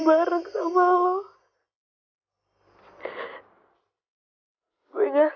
saya ingin menemani anda